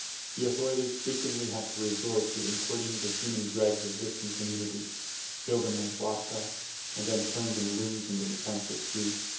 The authorities frequently had to resort to importing the human dregs of distant communities, fill them with vodka, and then turn them loose on the defenceless Jews.